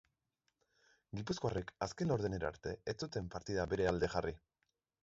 Gipuzkoarrek azken laurdenera arte ez zuten partida bere alde jarri.